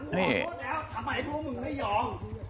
แต่ว่ากูถ่วงพวกมึงไม่ยอม